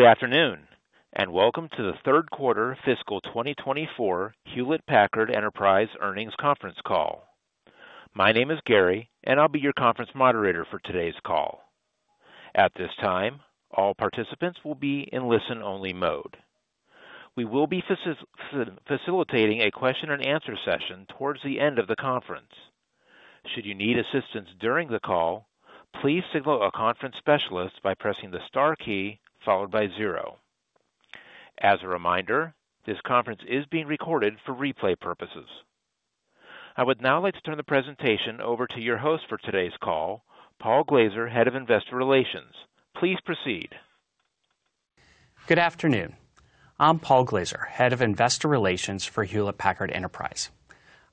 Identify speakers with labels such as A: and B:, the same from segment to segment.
A: Good afternoon, and welcome to the third quarter fiscal 2024 Hewlett Packard Enterprise earnings conference call. My name is Gary, and I'll be your conference moderator for today's call. At this time, all participants will be in listen-only mode. We will be facilitating a question and answer session towards the end of the conference. Should you need assistance during the call, please signal a conference specialist by pressing the star key followed by zero. As a reminder, this conference is being recorded for replay purposes. I would now like to turn the presentation over to your host for today's call, Paul Glaser, Head of Investor Relations. Please proceed.
B: Good afternoon. I'm Paul Glaser, Head of Investor Relations for Hewlett Packard Enterprise.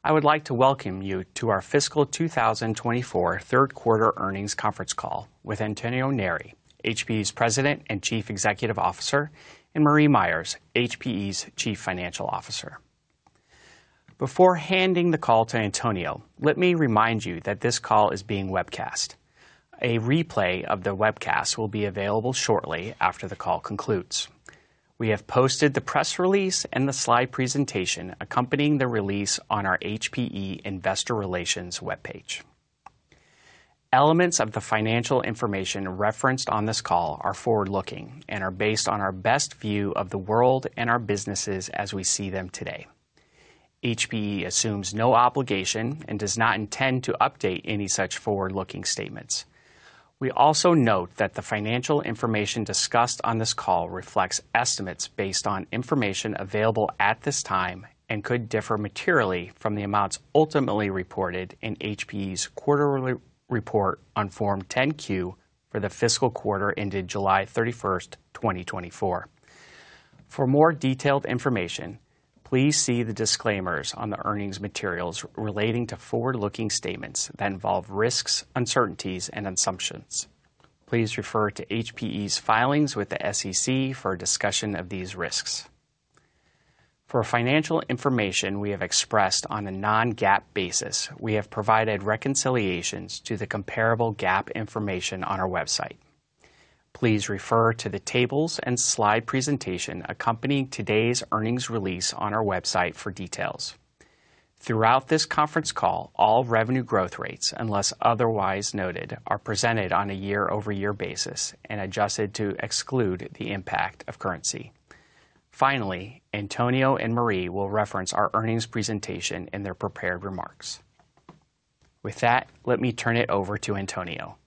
B: I would like to welcome you to our fiscal 2024 third quarter earnings conference call with Antonio Neri, HPE's President and Chief Executive Officer, and Marie Myers, HPE's Chief Financial Officer. Before handing the call to Antonio, let me remind you that this call is being webcast. A replay of the webcast will be available shortly after the call concludes. We have posted the press release and the slide presentation accompanying the release on our HPE Investor Relations webpage. Elements of the financial information referenced on this call are forward-looking and are based on our best view of the world and our businesses as we see them today. HPE assumes no obligation and does not intend to update any such forward-looking statements. We also note that the financial information discussed on this call reflects estimates based on information available at this time and could differ materially from the amounts ultimately reported in HPE's quarterly report on Form 10-Q for the fiscal quarter ended July 31st, 2024. For more detailed information, please see the disclaimers on the earnings materials relating to forward-looking statements that involve risks, uncertainties, and assumptions. Please refer to HPE's filings with the SEC for a discussion of these risks. For financial information we have expressed on a non-GAAP basis, we have provided reconciliations to the comparable GAAP information on our website. Please refer to the tables and slide presentation accompanying today's earnings release on our website for details. Throughout this conference call, all revenue growth rates, unless otherwise noted, are presented on a year-over-year basis and adjusted to exclude the impact of currency. Finally, Antonio and Marie will reference our earnings presentation in their prepared remarks. With that, let me turn it over to Antonio.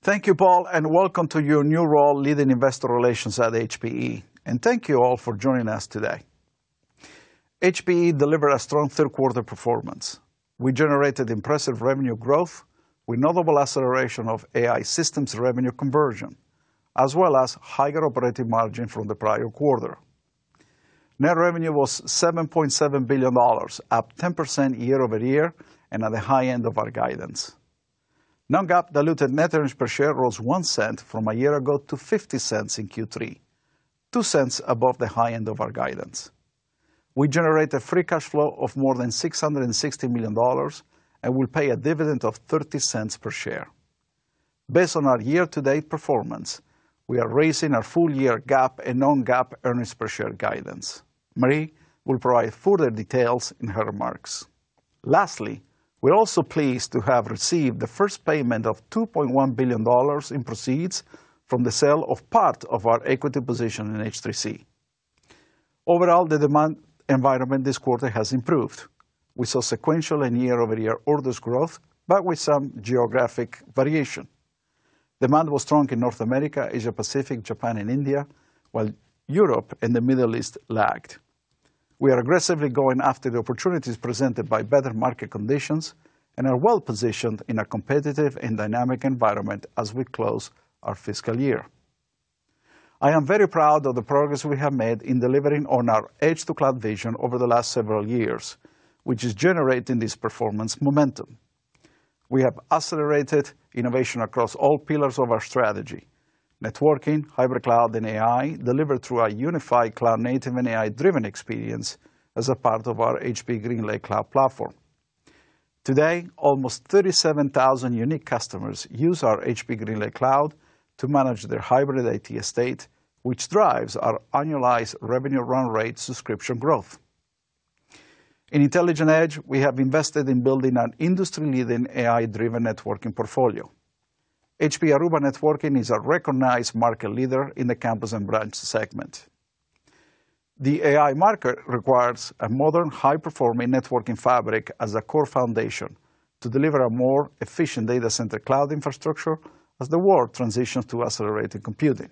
C: Thank you, Paul, and welcome to your new role leading Investor Relations at HPE. And thank you all for joining us today. HPE delivered a strong third quarter performance. We generated impressive revenue growth with notable acceleration of AI systems revenue conversion, as well as higher operating margin from the prior quarter. Net revenue was $7.7 billion, up 10% year-over-year and at the high end of our guidance. Non-GAAP diluted net earnings per share rose $0.01 from a year ago to $0.50 in Q3, $0.02 above the high end of our guidance. We generated free cash flow of more than $660 million, and we'll pay a dividend of $0.30 per share. Based on our year-to-date performance, we are raising our full year GAAP and non-GAAP earnings per share guidance. Marie will provide further details in her remarks. Lastly, we're also pleased to have received the first payment of $2.1 billion in proceeds from the sale of part of our equity position in H3C. Overall, the demand environment this quarter has improved. We saw sequential and year-over-year orders growth, but with some geographic variation. Demand was strong in North America, Asia Pacific, Japan and India, while Europe and the Middle East lagged. We are aggressively going after the opportunities presented by better market conditions and are well positioned in a competitive and dynamic environment as we close our fiscal year. I am very proud of the progress we have made in delivering on our edge-to-cloud vision over the last several years, which is generating this performance momentum. We have accelerated innovation across all pillars of our strategy. Networking, hybrid cloud, and AI, delivered through our unified cloud-native and AI-driven experience as a part of our HPE GreenLake cloud platform. Today, almost 37,000 unique customers use our HPE GreenLake Cloud to manage their hybrid IT estate, which drives our annualized revenue run rate subscription growth. In Intelligent Edge, we have invested in building an industry-leading, AI-driven networking portfolio. HPE Aruba Networking is a recognized market leader in the campus and branch segment. The AI market requires a modern, high-performing networking fabric as a core foundation to deliver a more efficient data center cloud infrastructure as the world transitions to accelerated computing.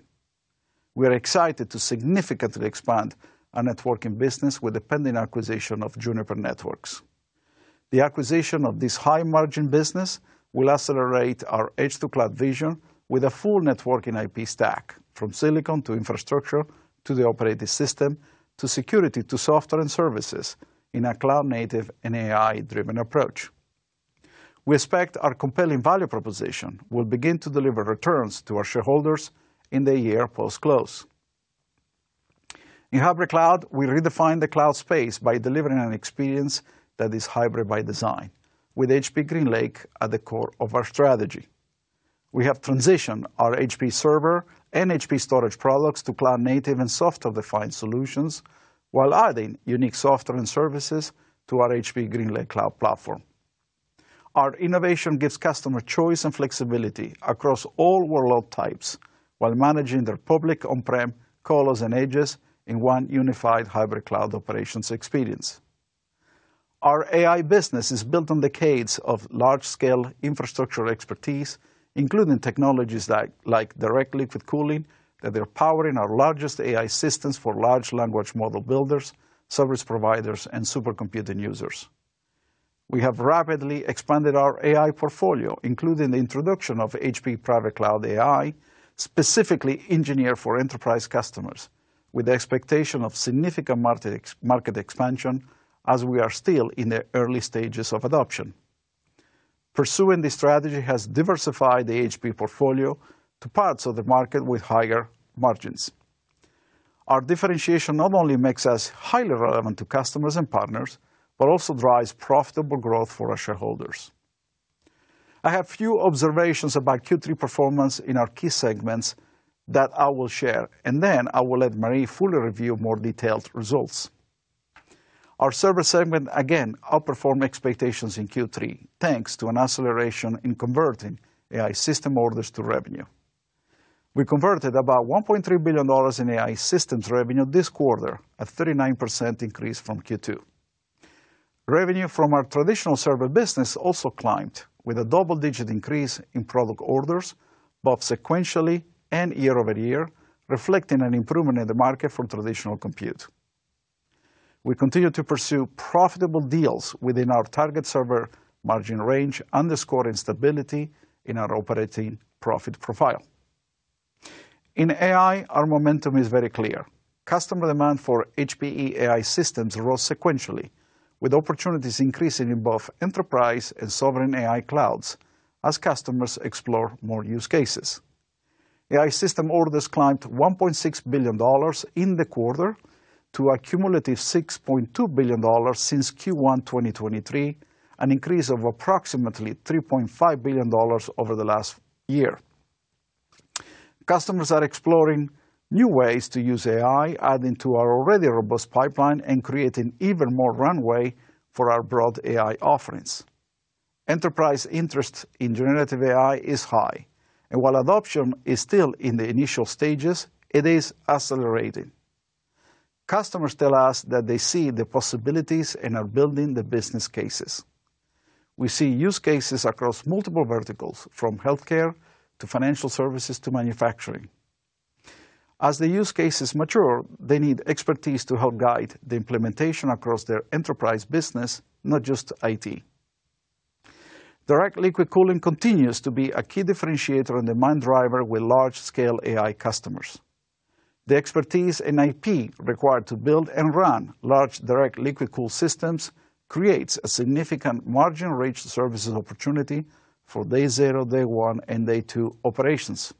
C: We are excited to significantly expand our networking business with the pending acquisition of Juniper Networks. The acquisition of this high-margin business will accelerate our edge-to-cloud vision with a full networking IP stack, from silicon to infrastructure, to the operating system, to security, to software and services in a cloud-native and AI-driven approach. We expect our compelling value proposition will begin to deliver returns to our shareholders in the year post-close. In Hybrid Cloud, we redefine the cloud space by delivering an experience that is hybrid by design, with HPE GreenLake at the core of our strategy. We have transitioned our HPE Server and HPE Storage products to cloud-native and software-defined solutions, while adding unique software and services to our HPE GreenLake cloud platform. Our innovation gives customer choice and flexibility across all workload types, while managing their public, on-prem, clouds, and edges in one unified hybrid cloud operations experience. Our AI business is built on decades of large-scale infrastructure expertise, including technologies like direct liquid cooling that they're powering our largest AI systems for large language model builders, service providers, and supercomputing users. We have rapidly expanded our AI portfolio, including the introduction of HPE Private Cloud AI, specifically engineered for enterprise customers, with the expectation of significant market expansion, as we are still in the early stages of adoption. Pursuing this strategy has diversified the HPE portfolio to parts of the market with higher margins. Our differentiation not only makes us highly relevant to customers and partners, but also drives profitable growth for our shareholders. I have a few observations about Q3 performance in our key segments that I will share, and then I will let Marie fully review more detailed results. Our server segment, again, outperformed expectations in Q3, thanks to an acceleration in converting AI system orders to revenue. We converted about $1.3 billion in AI systems revenue this quarter, a 39% increase from Q2. Revenue from our traditional server business also climbed, with a double-digit increase in product orders, both sequentially and year-over-year, reflecting an improvement in the market for traditional compute. We continue to pursue profitable deals within our target server margin range, underscoring stability in our operating profit profile. In AI, our momentum is very clear. Customer demand for HPE AI systems rose sequentially, with opportunities increasing in both enterprise and sovereign AI clouds as customers explore more use cases. AI system orders climbed $1.6 billion in the quarter to a cumulative $6.2 billion since Q1 2023, an increase of approximately $3.5 billion over the last year. Customers are exploring new ways to use AI, adding to our already robust pipeline and creating even more runway for our broad AI offerings. Enterprise interest in generative AI is high, and while adoption is still in the initial stages, it is accelerating. Customers tell us that they see the possibilities and are building the business cases. We see use cases across multiple verticals, from healthcare, to financial services, to manufacturing. As the use cases mature, they need expertise to help guide the implementation across their enterprise business, not just IT. Direct liquid cooling continues to be a key differentiator and demand driver with large-scale AI customers. The expertise and IP required to build and run large direct liquid cooled systems creates a significant margin-rich services opportunity for day zero, day one, and day two operations.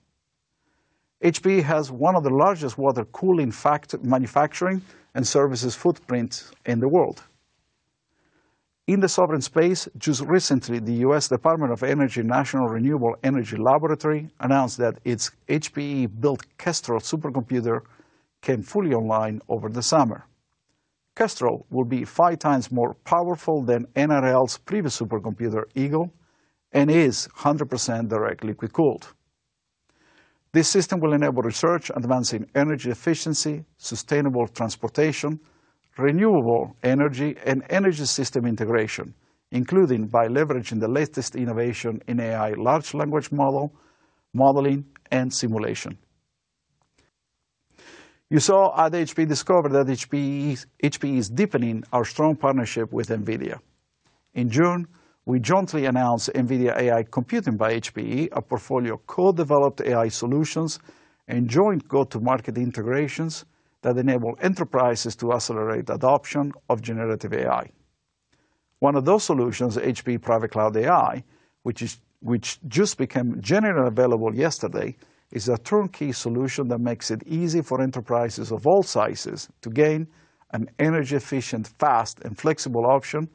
C: HPE has one of the largest water cooling factory manufacturing and services footprint in the world. In the sovereign space, just recently, the U.S. Department of Energy National Renewable Energy Laboratory announced that its HPE-built Kestrel supercomputer came fully online over the summer. Kestrel will be five times more powerful than NREL's previous supercomputer, Eagle, and is 100% direct liquid cooled. This system will enable research advancing energy efficiency, sustainable transportation, renewable energy, and energy system integration, including by leveraging the latest innovation in AI, large language model, modeling, and simulation. You saw at HPE Discover that HPE is deepening our strong partnership with NVIDIA. In June, we jointly announced NVIDIA AI Computing by HPE, a portfolio of co-developed AI solutions and joint go-to-market integrations that enable enterprises to accelerate adoption of generative AI. One of those solutions, HPE Private Cloud AI, which just became generally available yesterday, is a turnkey solution that makes it easy for enterprises of all sizes to gain an energy-efficient, fast, and flexible option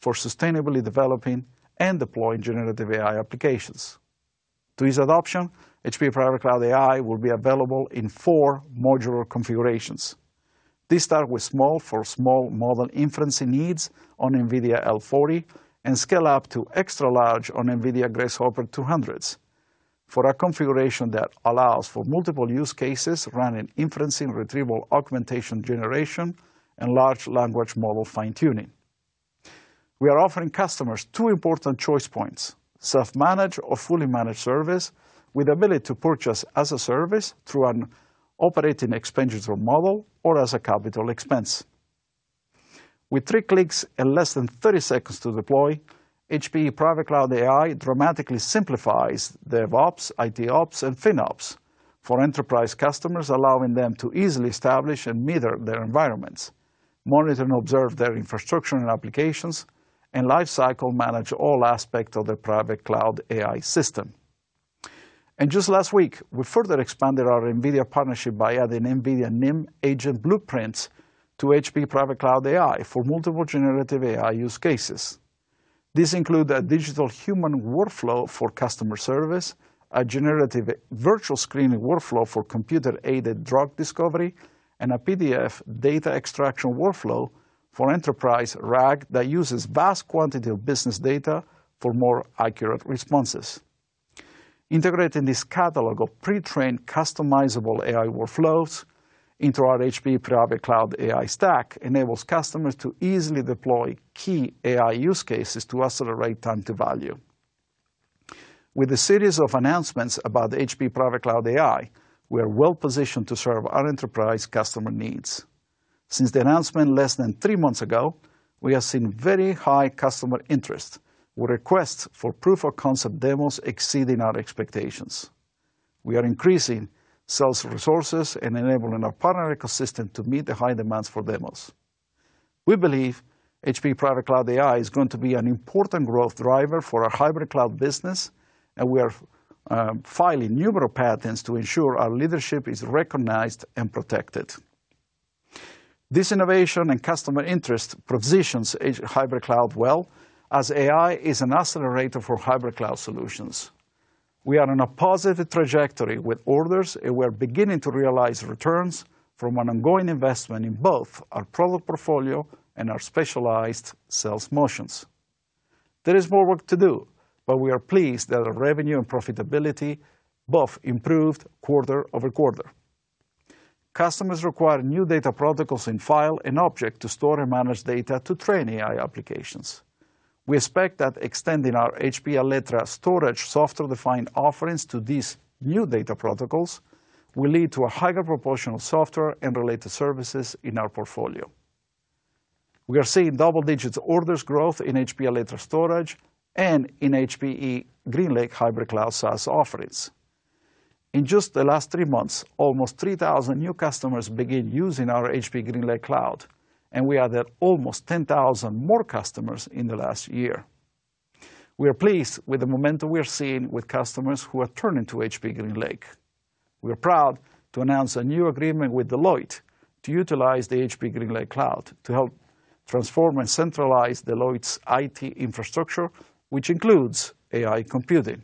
C: for sustainably developing and deploying generative AI applications. To ease adoption, HPE Private Cloud AI will be available in four modular configurations. These start with small for small model inferencing needs on NVIDIA L40, and scale up to extra large on NVIDIA Grace Hopper 200s. For a configuration that allows for multiple use cases, run an inferencing retrieval augmentation generation, and large language model fine-tuning. We are offering customers two important choice points: self-manage or fully managed service, with the ability to purchase as-a-service through an operating expenditure model or as a capital expense. With three clicks and less than 30 seconds to deploy, HPE Private Cloud AI dramatically simplifies DevOps, IT Ops, and FinOps for enterprise customers, allowing them to easily establish and meter their environments, monitor and observe their infrastructure and applications, and lifecycle manage all aspects of their private cloud AI system, and just last week, we further expanded our NVIDIA partnership by adding NVIDIA NIM Agent Blueprints to HPE Private Cloud AI for multiple generative AI use cases. These include a digital human workflow for customer service, a generative virtual screening workflow for computer-aided drug discovery, and a PDF data extraction workflow for enterprise RAG that uses vast quantity of business data for more accurate responses. Integrating this catalog of pre-trained, customizable AI workflows into our HPE Private Cloud AI stack enables customers to easily deploy key AI use cases to accelerate time to value. With a series of announcements about the HPE Private Cloud AI, we are well positioned to serve our enterprise customer needs. Since the announcement less than three months ago, we have seen very high customer interest, with requests for proof-of-concept demos exceeding our expectations. We are increasing sales resources and enabling our partner ecosystem to meet the high demands for demos. We believe HPE Private Cloud AI is going to be an important growth driver for our hybrid cloud business, and we are, filing numerous patents to ensure our leadership is recognized and protected. This innovation and customer interest positions edge hybrid cloud well, as AI is an accelerator for hybrid cloud solutions. We are on a positive trajectory with orders, and we're beginning to realize returns from an ongoing investment in both our product portfolio and our specialized sales motions. There is more work to do, but we are pleased that our revenue and profitability both improved quarter-over-quarter. Customers require new data protocols in file and object to store and manage data to train AI applications. We expect that extending our HPE Alletra storage software-defined offerings to these new data protocols will lead to a higher proportion of software and related services in our portfolio. We are seeing double-digit orders growth in HPE Alletra storage and in HPE GreenLake hybrid cloud SaaS offerings. In just the last three months, almost 3,000 new customers began using our HPE GreenLake Cloud, and we added almost 10,000 more customers in the last year. We are pleased with the momentum we are seeing with customers who are turning to HPE GreenLake. We are proud to announce a new agreement with Deloitte to utilize the HPE GreenLake Cloud to help transform and centralize Deloitte's IT infrastructure, which includes AI computing.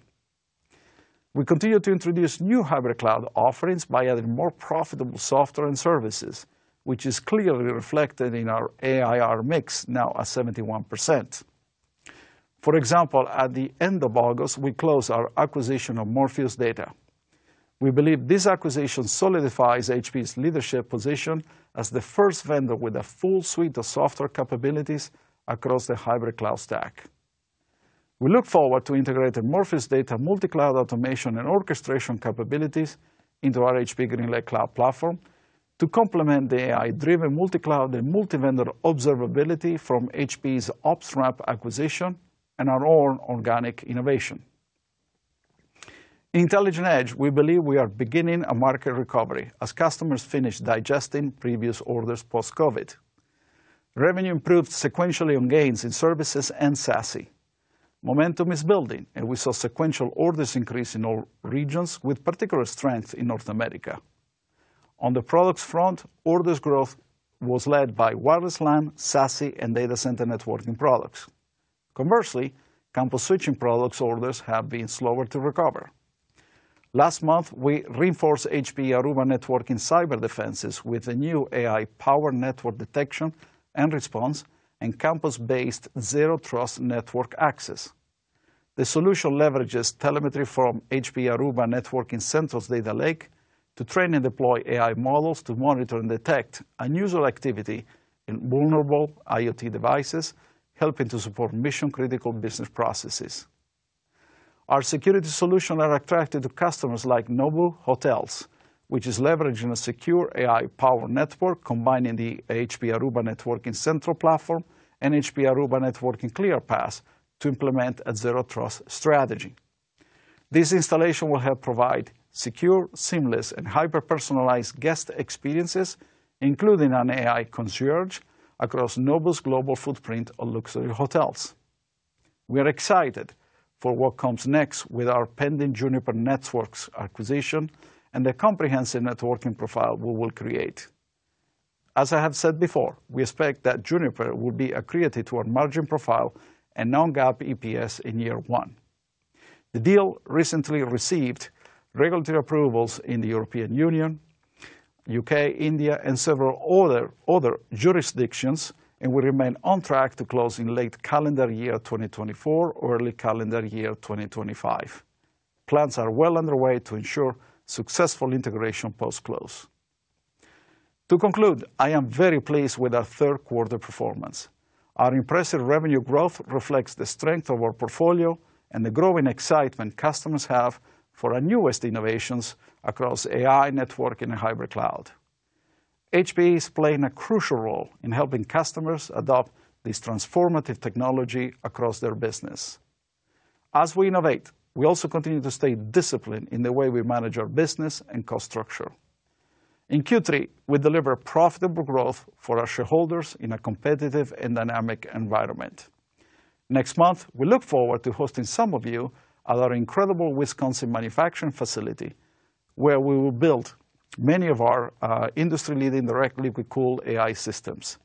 C: We continue to introduce new hybrid cloud offerings by adding more profitable software and services, which is clearly reflected in our ARR mix, now at 71%. For example, at the end of August, we closed our acquisition of Morpheus Data. We believe this acquisition solidifies HPE's leadership position as the first vendor with a full suite of software capabilities across the hybrid cloud stack. We look forward to integrating Morpheus Data multi-cloud automation and orchestration capabilities into our HPE GreenLake cloud platform to complement the AI-driven multi-cloud and multi-vendor observability from HPE's OpsRamp acquisition and our own organic innovation. In Intelligent Edge, we believe we are beginning a market recovery as customers finish digesting previous orders post-COVID. Revenue improved sequentially on gains in services and SASE. Momentum is building, and we saw sequential orders increase in all regions, with particular strength in North America. On the products front, orders growth was led by wireless LAN, SASE, and data center networking products. Commercially, Campus switching products orders have been slower to recover. Last month, we reinforced HPE Aruba Networking cyber defenses with a new AI-powered network detection and response and campus-based Zero Trust Network Access. The solution leverages telemetry from HPE Aruba Networking Central data lake to train and deploy AI models to monitor and detect unusual activity in vulnerable IoT devices, helping to support mission-critical business processes. Our security solution are attractive to customers like Nobu Hotels, which is leveraging a secure AI-powered network, combining the HPE Aruba Networking Central Platform and HPE Aruba Networking ClearPass to implement a zero-trust strategy. This installation will help provide secure, seamless, and hyper-personalized guest experiences, including an AI concierge across Nobu's global footprint of luxury hotels. We are excited for what comes next with our pending Juniper Networks acquisition and the comprehensive networking profile we will create. As I have said before, we expect that Juniper will be accretive to our margin profile and non-GAAP EPS in year one. The deal recently received regulatory approvals in the European Union, UK, India, and several other jurisdictions, and we remain on track to close in late calendar year 2024 or early calendar year 2025. Plans are well underway to ensure successful integration post-close. To conclude, I am very pleased with our third quarter performance. Our impressive revenue growth reflects the strength of our portfolio and the growing excitement customers have for our newest innovations across AI, networking, and hybrid cloud. HPE is playing a crucial role in helping customers adopt this transformative technology across their business. As we innovate, we also continue to stay disciplined in the way we manage our business and cost structure. In Q3, we delivered profitable growth for our shareholders in a competitive and dynamic environment. Next month, we look forward to hosting some of you at our incredible Wisconsin manufacturing facility, where we will build many of our industry-leading direct liquid cooling AI systems.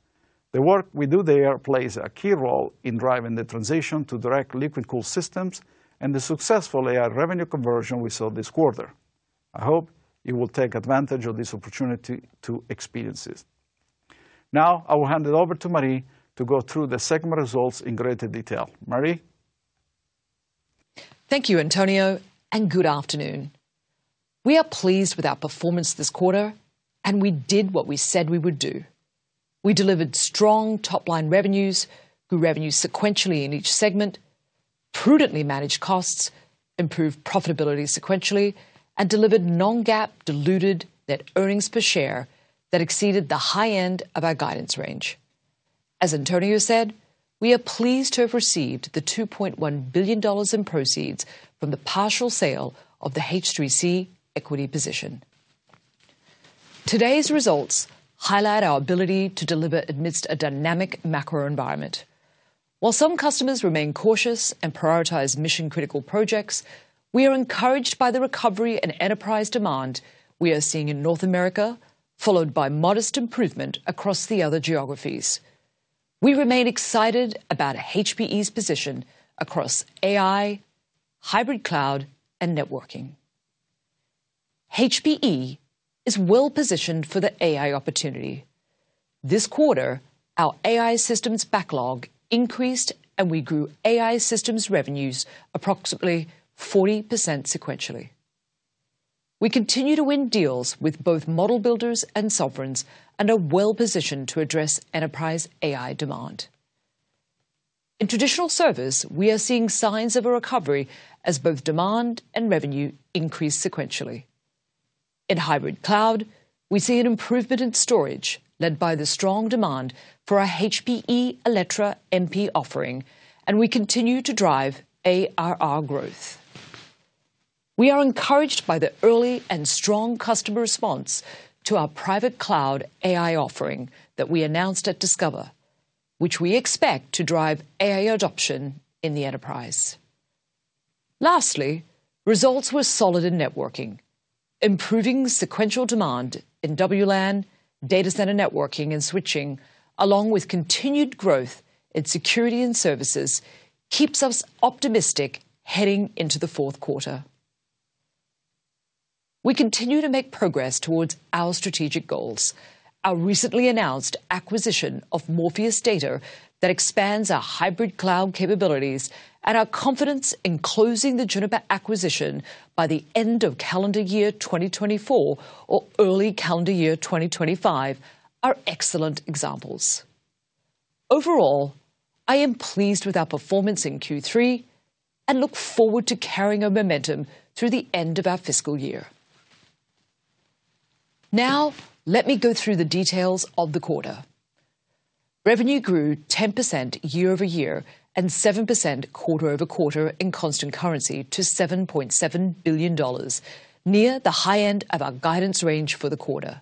C: The work we do there plays a key role in driving the transition to direct liquid cooling systems and the successful AI revenue conversion we saw this quarter. I hope you will take advantage of this opportunity to experience this. Now, I will hand it over to Marie to go through the segment results in greater detail. Marie?
D: Thank you, Antonio, and good afternoon. We are pleased with our performance this quarter, and we did what we said we would do. We delivered strong top-line revenues, grew revenue sequentially in each segment, prudently managed costs, improved profitability sequentially, and delivered non-GAAP diluted net earnings per share that exceeded the high end of our guidance range. As Antonio said, we are pleased to have received the $2.1 billion in proceeds from the partial sale of the H3C equity position. Today's results highlight our ability to deliver amidst a dynamic macro environment. While some customers remain cautious and prioritize mission-critical projects, we are encouraged by the recovery and enterprise demand we are seeing in North America, followed by modest improvement across the other geographies. We remain excited about HPE's position across AI, hybrid cloud, and networking. HPE is well positioned for the AI opportunity. This quarter, our AI systems backlog increased, and we grew AI systems revenues approximately 40% sequentially. We continue to win deals with both model builders and sovereigns and are well positioned to address enterprise AI demand. In traditional servers, we are seeing signs of a recovery as both demand and revenue increase sequentially. In hybrid cloud, we see an improvement in storage, led by the strong demand for our HPE Alletra MP offering, and we continue to drive ARR growth. We are encouraged by the early and strong customer response to our private cloud AI offering that we announced at Discover, which we expect to drive AI adoption in the enterprise. Lastly, results were solid in networking, improving sequential demand in WLAN, data center networking, and switching, along with continued growth in security and services, keeps us optimistic heading into the fourth quarter. We continue to make progress towards our strategic goals. Our recently announced acquisition of Morpheus Data that expands our hybrid cloud capabilities and our confidence in closing the Juniper acquisition by the end of calendar year 2024 or early calendar year 2025 are excellent examples. Overall, I am pleased with our performance in Q3 and look forward to carrying our momentum through the end of our fiscal year. Now, let me go through the details of the quarter. Revenue grew 10% year-over-year and 7% quarter-over-quarter in constant currency to $7.7 billion, near the high end of our guidance range for the quarter.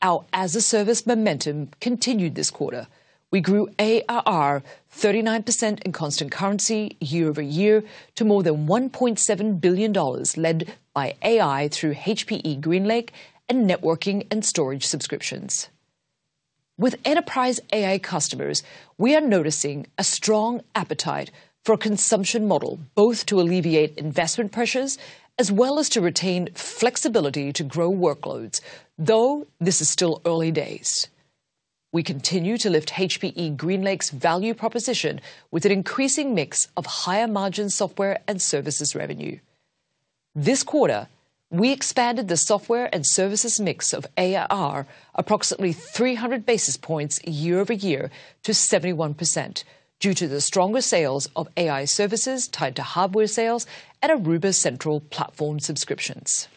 D: Our as-a-service momentum continued this quarter. We grew ARR 39% in constant currency year-over-year to more than $1.7 billion, led by AI through HPE GreenLake and networking and storage subscriptions. With enterprise AI customers, we are noticing a strong appetite for a consumption model, both to alleviate investment pressures as well as to retain flexibility to grow workloads, though this is still early days. We continue to lift HPE GreenLake's value proposition with an increasing mix of higher-margin software and services revenue. This quarter, we expanded the software and services mix of ARR approximately 300 basis points year-over-year to 71%, due to the stronger sales of AI services tied to hardware sales and Aruba Central platform subscriptions.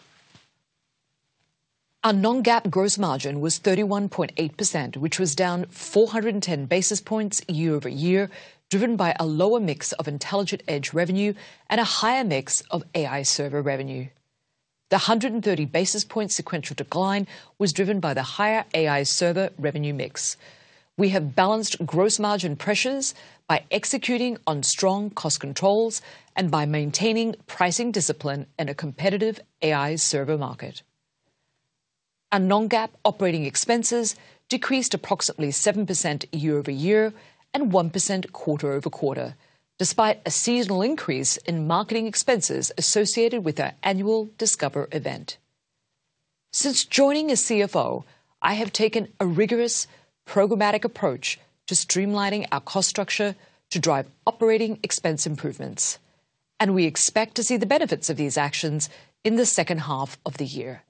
D: Our non-GAAP gross margin was 31.8%, which was down 410 basis points year-over-year, driven by a lower mix of Intelligent Edge revenue and a higher mix of AI server revenue. The 130 basis point sequential decline was driven by the higher AI server revenue mix. We have balanced gross margin pressures by executing on strong cost controls and by maintaining pricing discipline in a competitive AI server market. Our non-GAAP operating expenses decreased approximately 7% year-over-year and 1% quarter-over-quarter, despite a seasonal increase in marketing expenses associated with our annual Discover event. Since joining as CFO, I have taken a rigorous, programmatic approach to streamlining our cost structure to drive operating expense improvements, and we expect to see the benefits of these actions in the second half of the year.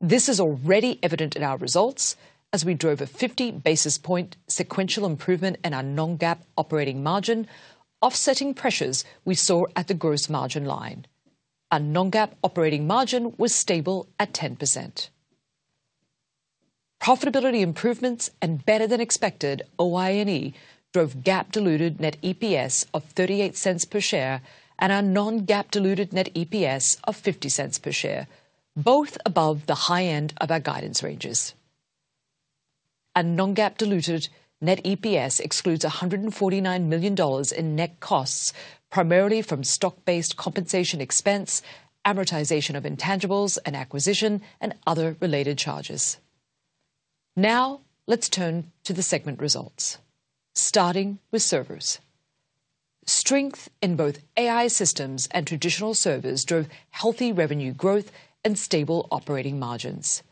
D: This is already evident in our results as we drove a 50 basis point sequential improvement in our non-GAAP operating margin, offsetting pressures we saw at the gross margin line. Our non-GAAP operating margin was stable at 10%. Profitability improvements and better-than-expected OI&E drove GAAP diluted net EPS of $0.38 per share and our non-GAAP diluted net EPS of $0.50 per share, both above the high end of our guidance ranges. Non-GAAP diluted net EPS excludes $149 million in net costs, primarily from stock-based compensation expense, amortization of intangibles, and acquisition and other related charges. Now, let's turn to the segment results, starting with servers. Strength in both AI systems and traditional servers drove healthy revenue growth and stable operating margins.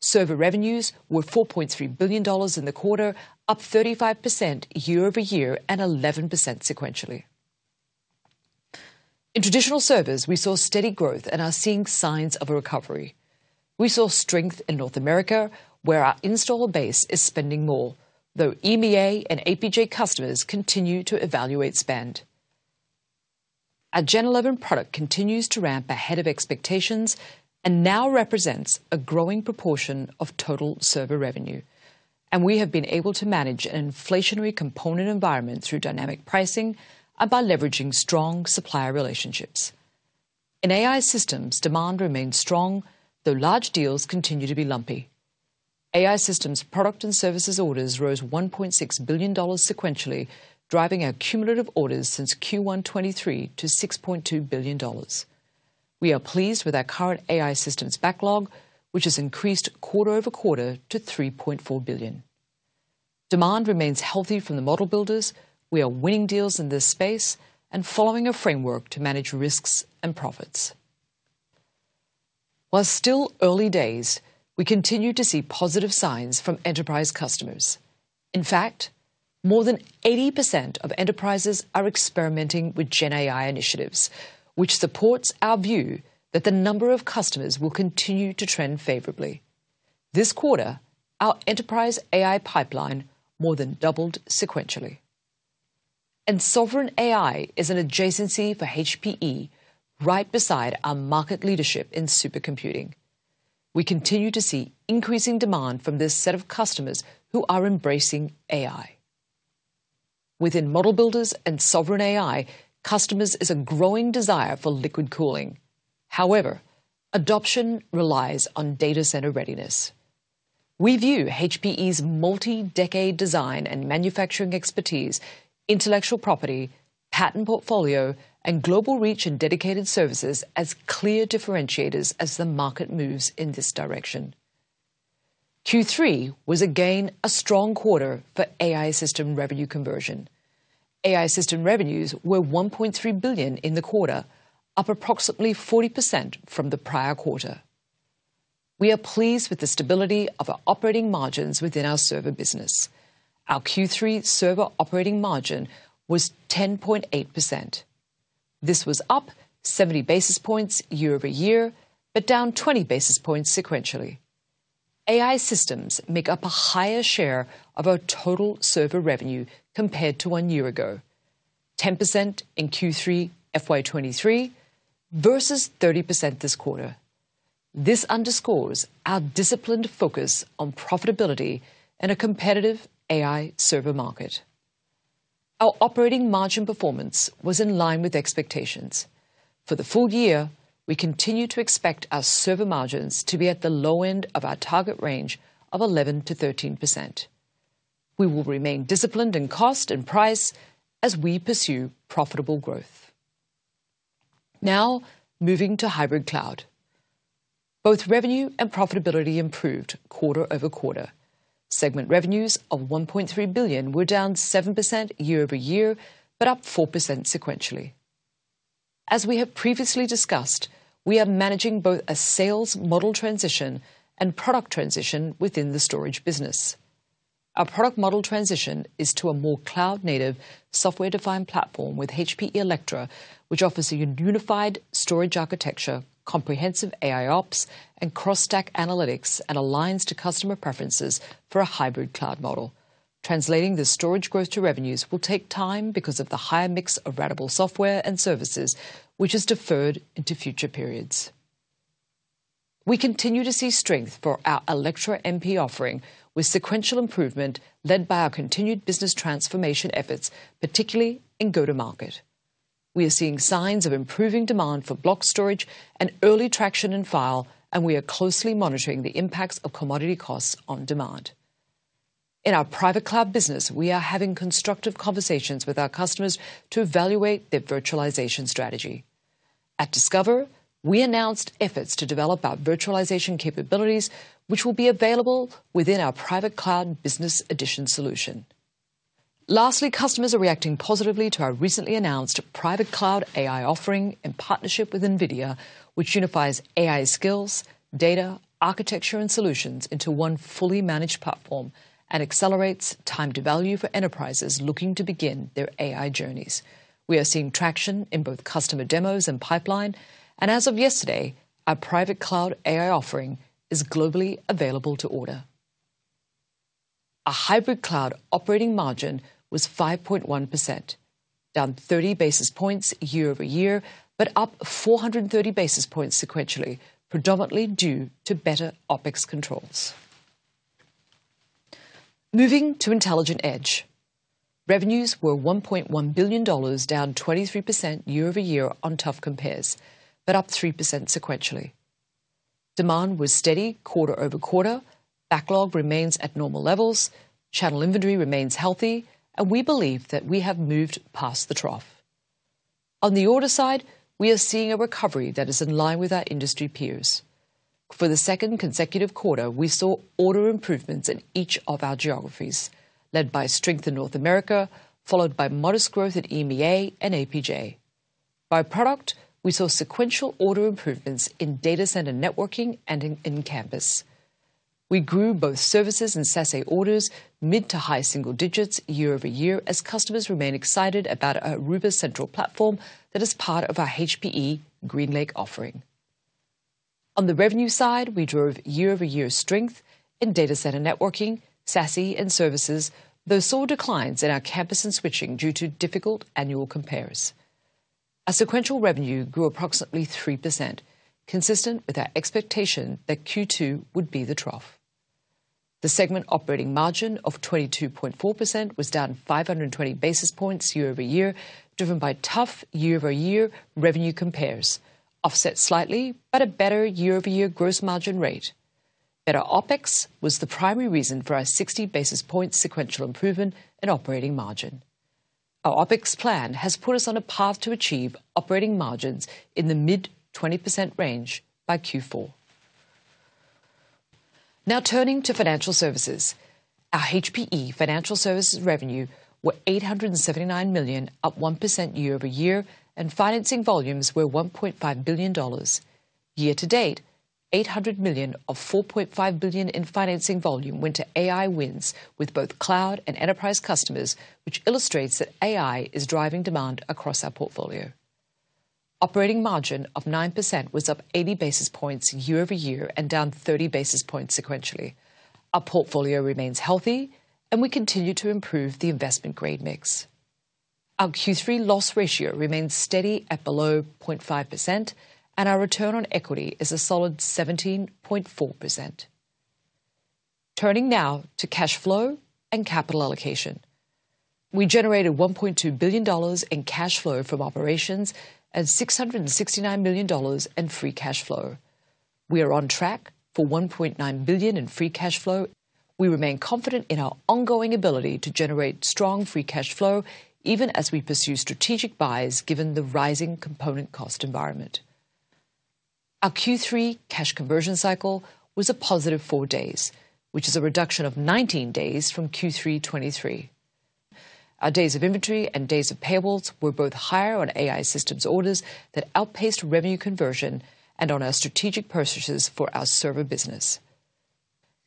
D: Server revenues were $4.3 billion in the quarter, up 35% year-over-year and 11% sequentially. In traditional servers, we saw steady growth and are seeing signs of a recovery. We saw strength in North America, where our installer base is spending more, though EMEA and APJ customers continue to evaluate spend. Our Gen11 product continues to ramp ahead of expectations and now represents a growing proportion of total server revenue, and we have been able to manage an inflationary component environment through dynamic pricing and by leveraging strong supplier relationships. In AI systems, demand remains strong, though large deals continue to be lumpy. AI systems product and services orders rose $1.6 billion sequentially, driving our cumulative orders since Q1 2023 to $6.2 billion. We are pleased with our current AI systems backlog, which has increased quarter-over-quarter to $3.4 billion. Demand remains healthy from the model builders. We are winning deals in this space and following a framework to manage risks and profits. While still early days, we continue to see positive signs from enterprise customers. In fact, more than 80% of enterprises are experimenting with GenAI initiatives, which supports our view that the number of customers will continue to trend favorably. This quarter, our enterprise AI pipeline more than doubled sequentially. And Sovereign AI is an adjacency for HPE, right beside our market leadership in supercomputing. We continue to see increasing demand from this set of customers who are embracing AI. Within Model Builders and Sovereign AI, customers is a growing desire for liquid cooling. However, adoption relies on data center readiness. We view HPE's multi-decade design and manufacturing expertise, intellectual property, patent portfolio, and global reach and dedicated services as clear differentiators as the market moves in this direction. Q3 was, again, a strong quarter for AI system revenue conversion. AI system revenues were $1.3 billion in the quarter, up approximately 40% from the prior quarter. We are pleased with the stability of our operating margins within our server business. Our Q3 server operating margin was 10.8%. This was up 70 basis points year-over-year, but down 20 basis points sequentially. AI systems make up a higher share of our total server revenue compared to one year ago, 10% in Q3 FY 2023 versus 30% this quarter. This underscores our disciplined focus on profitability in a competitive AI server market. Our operating margin performance was in line with expectations. For the full year, we continue to expect our server margins to be at the low end of our target range of 11%-13%. We will remain disciplined in cost and price as we pursue profitable growth. Now, moving to hybrid cloud. Both revenue and profitability improved quarter-over-quarter. Segment revenues of $1.3 billion were down 7% year-over-year, but up 4% sequentially. As we have previously discussed, we are managing both a sales model transition and product transition within the storage business. Our product model transition is to a more cloud-native, software-defined platform with HPE Alletra, which offers a unified storage architecture, comprehensive AIOps, and cross-stack analytics, and aligns to customer preferences for a hybrid cloud model. Translating this storage growth to revenues will take time because of the higher mix of ratable software and services, which is deferred into future periods. We continue to see strength for our Alletra MP offering, with sequential improvement led by our continued business transformation efforts, particularly in go-to-market. We are seeing signs of improving demand for block storage and early traction in file, and we are closely monitoring the impacts of commodity costs on demand. In our private cloud business, we are having constructive conversations with our customers to evaluate their virtualization strategy. At Discover, we announced efforts to develop our virtualization capabilities, which will be available within our Private Cloud Business Edition solution. Lastly, customers are reacting positively to our recently announced Private Cloud AI offering in partnership with NVIDIA, which unifies AI skills, data, architecture, and solutions into one fully managed platform and accelerates time to value for enterprises looking to begin their AI journeys. We are seeing traction in both customer demos and pipeline, and as of yesterday, our Private Cloud AI offering is globally available to order. Our hybrid cloud operating margin was 5.1%, down 30 basis points year-over-year, but up 430 basis points sequentially, predominantly due to better OpEx controls. Moving to Intelligent Edge. Revenues were $1.1 billion, down 23% year-over-year on tough compares, but up 3% sequentially. Demand was steady quarter-over-quarter. Backlog remains at normal levels. Channel inventory remains healthy, and we believe that we have moved past the trough. On the order side, we are seeing a recovery that is in line with our industry peers. For the second consecutive quarter, we saw order improvements in each of our geographies, led by strength in North America, followed by modest growth in EMEA and APJ. By product, we saw sequential order improvements in data center networking and in campus. We grew both services and SASE orders mid to high single digits year-over-year, as customers remain excited about our Aruba Central platform that is part of our HPE GreenLake offering. On the revenue side, we drove year-over-year strength in data center networking, SASE, and services, though saw declines in our campus and switching due to difficult annual compares. Our sequential revenue grew approximately 3%, consistent with our expectation that Q2 would be the trough. The segment operating margin of 22.4% was down 520 basis points year-over-year, driven by tough year-over-year revenue compares, offset slightly by a better year-over-year gross margin rate. Better OpEx was the primary reason for our 60 basis points sequential improvement in operating margin. Our OpEx plan has put us on a path to achieve operating margins in the mid-20% range by Q4. Now, turning to financial services. Our HPE Financial Services revenue were $879 million, up 1% year-over-year, and financing volumes were $1.5 billion. Year to date, $800 million of $4.5 billion in financing volume went to AI wins with both cloud and enterprise customers, which illustrates that AI is driving demand across our portfolio. Operating margin of 9% was up 80 basis points year-over-year and down 30 basis points sequentially. Our portfolio remains healthy, and we continue to improve the investment grade mix. Our Q3 loss ratio remains steady at below 0.5%, and our return on equity is a solid 17.4%. Turning now to cash flow and capital allocation. We generated $1.2 billion in cash flow from operations and $669 million in free cash flow. We are on track for $1.9 billion in free cash flow. We remain confident in our ongoing ability to generate strong free cash flow, even as we pursue strategic buys, given the rising component cost environment. Our Q3 cash conversion cycle was a positive four days, which is a reduction of nineteen days from Q3 2023. Our days of inventory and days of payables were both higher on AI systems orders that outpaced revenue conversion and on our strategic purchases for our server business.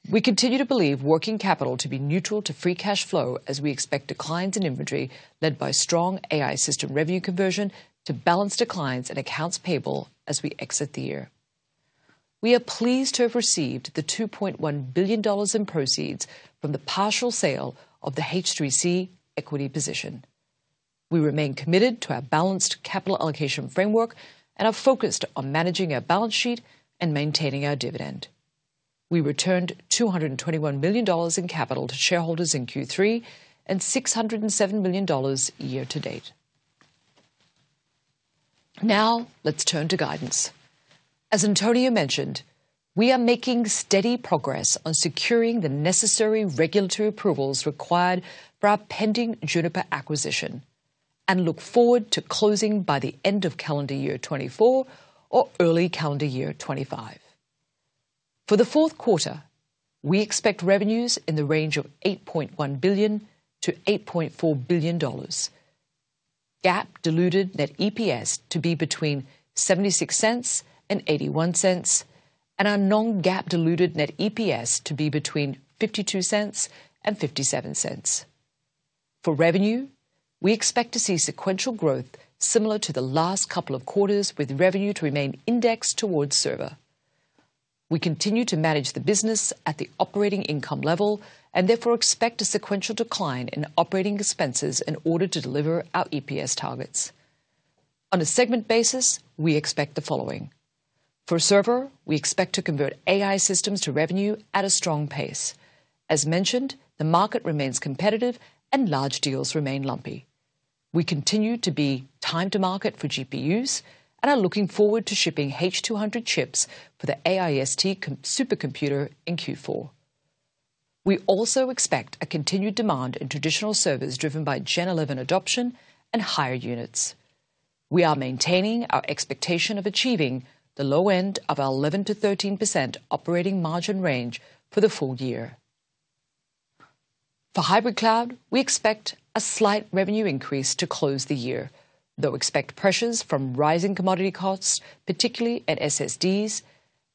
D: We continue to believe working capital to be neutral to free cash flow, as we expect declines in inventory, led by strong AI system revenue conversion to balance declines in accounts payable as we exit the year. We are pleased to have received $2.1 billion in proceeds from the partial sale of the H3C equity position. We remain committed to our balanced capital allocation framework and are focused on managing our balance sheet and maintaining our dividend. We returned $221 million in capital to shareholders in Q3 and $607 million year to date. Now, let's turn to guidance. As Antonio mentioned, we are making steady progress on securing the necessary regulatory approvals required for our pending Juniper acquisition and look forward to closing by the end of calendar year 2024 or early calendar year 2025. For the fourth quarter, we expect revenues in the range of $8.1 billion-$8.4 billion, GAAP diluted net EPS to be between $0.76 and $0.81, and our non-GAAP diluted net EPS to be between $0.52 and $0.57. For revenue, we expect to see sequential growth similar to the last couple of quarters, with revenue to remain indexed towards server. We continue to manage the business at the operating income level and therefore expect a sequential decline in operating expenses in order to deliver our EPS targets. On a segment basis, we expect the following: For server, we expect to convert AI systems to revenue at a strong pace. As mentioned, the market remains competitive and large deals remain lumpy. We continue to be time to market for GPUs and are looking forward to shipping H200 chips for the AIST supercomputer in Q4. We also expect a continued demand in traditional servers, driven by Gen11 adoption and higher units. We are maintaining our expectation of achieving the low end of our 11%-13% operating margin range for the full year. For hybrid cloud, we expect a slight revenue increase to close the year, though expect pressures from rising commodity costs, particularly at SSDs.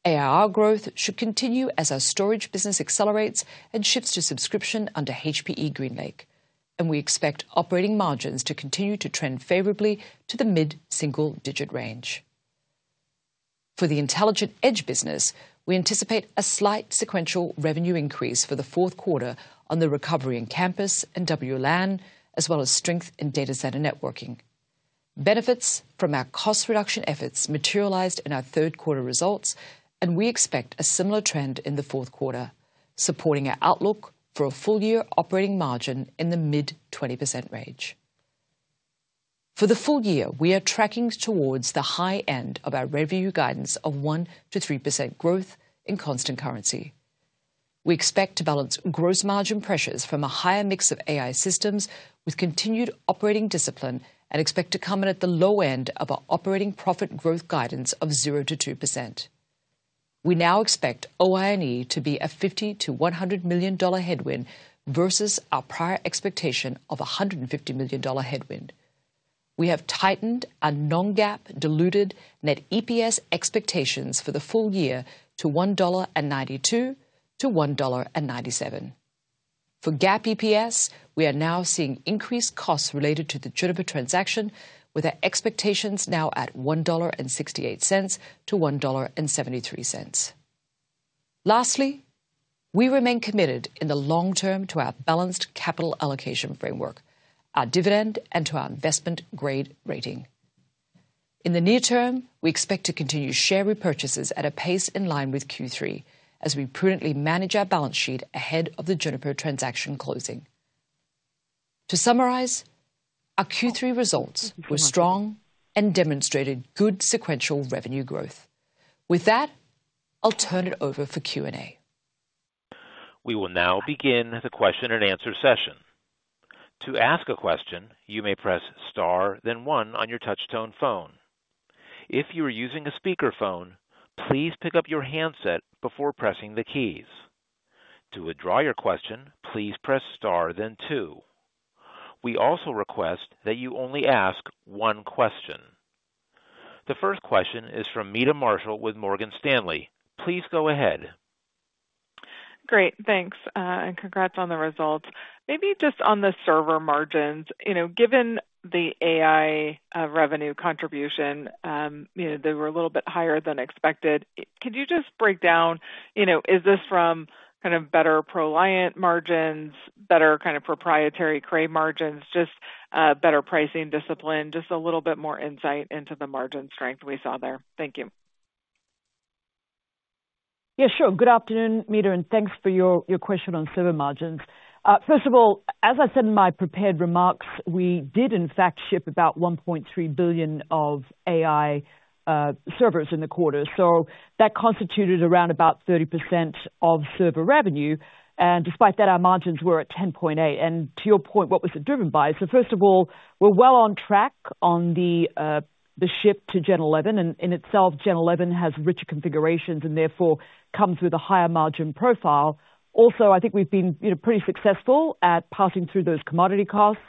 D: ARR growth should continue as our storage business accelerates and shifts to subscription under HPE GreenLake, and we expect operating margins to continue to trend favorably to the mid-single-digit range. For the Intelligent Edge business, we anticipate a slight sequential revenue increase for the fourth quarter on the recovery in campus and WLAN, as well as strength in data center networking. Benefits from our cost reduction efforts materialized in our third quarter results, and we expect a similar trend in the fourth quarter, supporting our outlook for a full year operating margin in the mid-20% range. For the full year, we are tracking towards the high end of our revenue guidance of 1-3% growth in constant currency. We expect to balance gross margin pressures from a higher mix of AI systems with continued operating discipline, and expect to come in at the low end of our operating profit growth guidance of 0-2%. We now expect OINE to be a $50 million-$100 million headwind versus our prior expectation of a $150 million headwind. We have tightened our non-GAAP diluted net EPS expectations for the full year to $1.92-$1.97. For GAAP EPS, we are now seeing increased costs related to the Juniper transaction, with our expectations now at $1.68-$1.73. Lastly, we remain committed in the long term to our balanced capital allocation framework, our dividend, and to our investment-grade rating. In the near term, we expect to continue share repurchases at a pace in line with Q3 as we prudently manage our balance sheet ahead of the Juniper transaction closing. To summarize, our Q3 results were strong and demonstrated good sequential revenue growth. With that, I'll turn it over for Q&A.
A: We will now begin the question and answer session. To ask a question, you may press star, then one on your touchtone phone. If you are using a speakerphone, please pick up your handset before pressing the keys. To withdraw your question, please press star, then two. We also request that you only ask one question. The first question is from Meta Marshall with Morgan Stanley. Please go ahead.
E: Great, thanks, and congrats on the results. Maybe just on the server margins, you know, given the AI revenue contribution, you know, they were a little bit higher than expected. Could you just break down, you know, is this from kind of better ProLiant margins, better kind of proprietary Cray margins, just, better pricing discipline? Just a little bit more insight into the margin strength we saw there. Thank you.
D: Yeah, sure. Good afternoon, Meta, and thanks for your question on server margins. First of all, as I said in my prepared remarks, we did in fact ship about $1.3 billion of AI servers in the quarter. So that constituted around about 30% of server revenue, and despite that, our margins were at 10.8%. And to your point, what was it driven by? So first of all, we're well on track on the ship to Gen11, and in itself, Gen11 has richer configurations and therefore comes with a higher margin profile. Also, I think we've been, you know, pretty successful at passing through those commodity costs,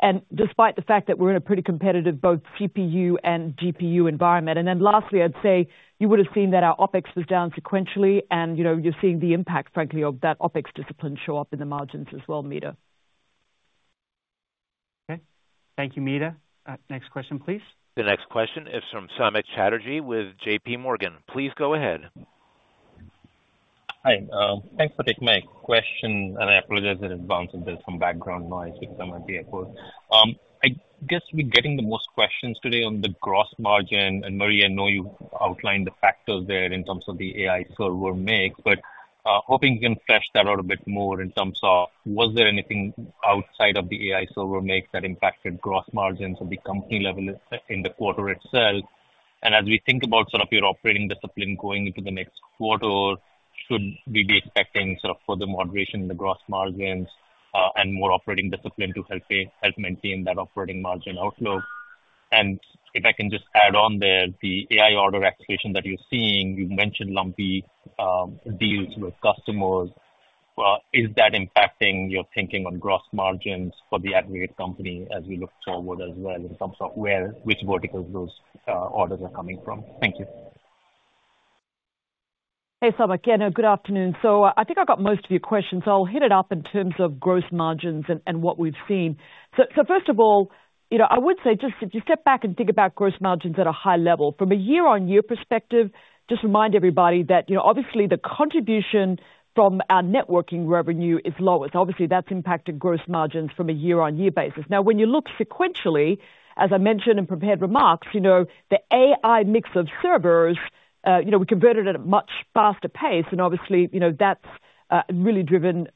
D: and despite the fact that we're in a pretty competitive, both CPU and GPU environment. Then lastly, I'd say you would have seen that our OpEx was down sequentially, and, you know, you're seeing the impact, frankly, of that OpEx discipline show up in the margins as well, Meta.
B: Okay. Thank you, Meta. Next question, please.
A: The next question is from Samik Chatterjee with JP Morgan. Please go ahead.
F: Hi, thanks for taking my question, and I apologize in advance if there's some background noise, because I'm at the airport. I guess we're getting the most questions today on the gross margin. And, Marie, I know you outlined the factors there in terms of the AI server mix, but hoping you can flesh that out a bit more in terms of was there anything outside of the AI server mix that impacted gross margins at the company level in the quarter itself? And as we think about sort of your operating discipline going into the next quarter, should we be expecting sort of further moderation in the gross margins, and more operating discipline to help maintain that operating margin outlook? And if I can just add on there, the AI order activation that you're seeing, you've mentioned lumpy deals with customers. Is that impacting your thinking on gross margins for the aggregate company as we look forward as well in terms of where, which verticals those orders are coming from? Thank you.
D: Hey, Samik. Again, good afternoon. So I think I got most of your questions. I'll hit it up in terms of gross margins and what we've seen. So first of all, you know, I would say just if you step back and think about gross margins at a high level. From a year-on-year perspective, just remind everybody that, you know, obviously the contribution from our networking revenue is lowest. Obviously, that's impacted gross margins from a year-on-year basis. Now, when you look sequentially, as I mentioned in prepared remarks, you know, the AI mix of servers, you know, we converted at a much faster pace and obviously, you know, that's really driven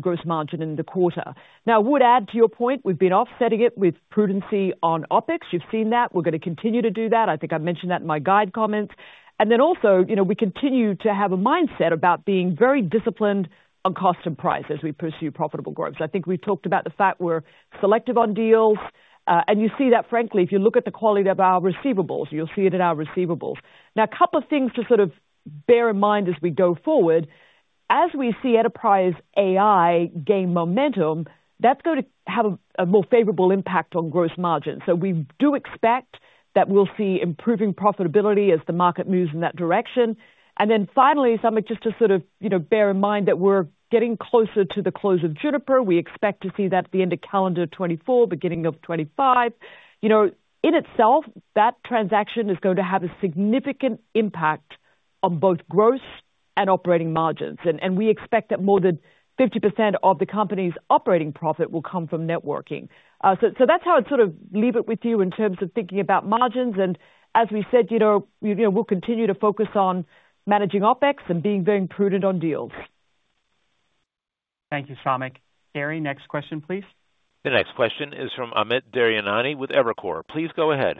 D: gross margin in the quarter. Now, I would add to your point, we've been offsetting it with prudency on OpEx. You've seen that. We're gonna continue to do that. I think I mentioned that in my guidance comments, and then also, you know, we continue to have a mindset about being very disciplined on cost and price as we pursue profitable growth, so I think we've talked about the fact we're selective on deals, and you see that frankly, if you look at the quality of our receivables, you'll see it in our receivables. Now, a couple of things to sort of bear in mind as we go forward. As we see enterprise AI gain momentum, that's going to have a more favorable impact on gross margins, so we do expect that we'll see improving profitability as the market moves in that direction, and then finally, Samik, just to sort of, you know, bear in mind that we're getting closer to the close of Juniper. We expect to see that at the end of calendar 2024, beginning of 2025. You know, in itself, that transaction is going to have a significant impact on both gross margins and operating margins. And we expect that more than 50% of the company's operating profit will come from networking. So that's how I'd sort of leave it with you in terms of thinking about margins, and as we said, you know, we'll continue to focus on managing OpEx and being very prudent on deals.
B: Thank you, Samik. Gary, next question, please.
A: The next question is from Amit Daryanani with Evercore. Please go ahead.